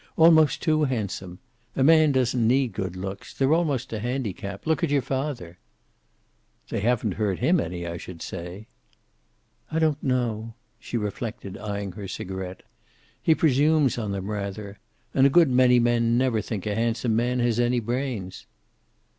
"Almost too handsome. A man doesn't need good looks. They're almost a handicap. Look at your father." "They haven't hurt him any, I should say." "I don't know." She reflected, eyeing her cigaret. "He presumes on them, rather. And a good many men never think a handsome man has any brains."